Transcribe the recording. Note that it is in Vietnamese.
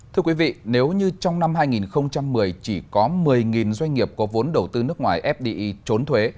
thưa quý vị nếu như trong năm hai nghìn một mươi chỉ có một mươi doanh nghiệp có vốn đầu tư nước ngoài fdi trốn thuế